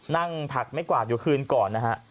ถัดไม่กวาดอยู่คืนก่อนนะฮะ